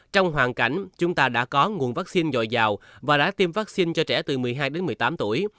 trong hoàn cảnh chúng ta đã có nguồn vaccine dồi dào và đã tiêm vaccine cho trẻ từ một mươi hai đến một mươi tám tuổi